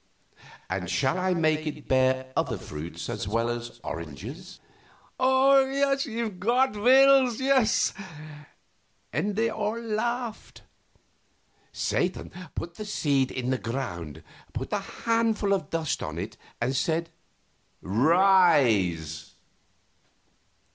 "And shall I make it bear other fruits as well as oranges?" "If God wills!" and they all laughed. Satan put the seed in the ground, put a handful of dust on it, and said, "Rise!"